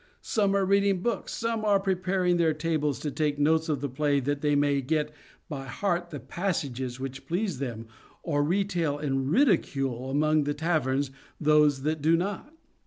Some are reading books, some are preparing their tables to take notes of the play that they may get by heart the passages which please them or retail in ridicule among the taverns those that do not.